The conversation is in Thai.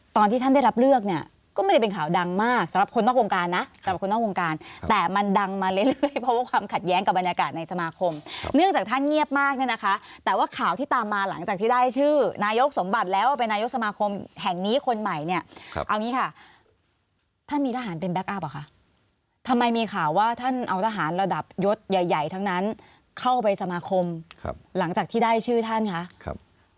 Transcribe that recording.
ตอนที่ท่านได้รับเลือกเนี่ยก็ไม่ได้เป็นข่าวดังมากสำหรับคนนอกวงการนะสำหรับคนนอกวงการแต่มันดังมาเรื่อยเรื่อยเพราะว่าความขัดแย้งกับบรรยากาศในสมาคมครับเนื่องจากท่านเงียบมากนี่นะคะแต่ว่าข่าวที่ตามมาหลังจากที่ได้ชื่อนายกสมบัติแล้วเป็นนายกสมาคมแห่งนี้คนใหม่เนี่ยครับเอางี้ค่ะ